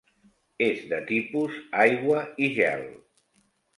És de tipus aigua i gel.